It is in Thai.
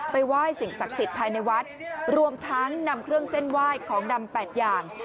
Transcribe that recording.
ไหว้สิ่งศักดิ์สิทธิ์ภายในวัดรวมทั้งนำเครื่องเส้นไหว้ของดำ๘อย่าง